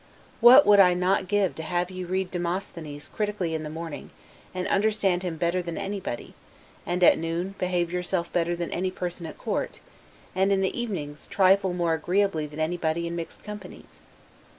What would I not give to have you read Demosthenes critically in the morning, and understand him better than anybody; at noon, behave yourself better than any person at court; and in the evenings, trifle more agreeably than anybody in mixed companies?